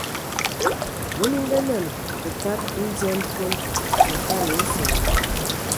Ngə mi ngənan tə kad ndian fon, mə katəya nsom.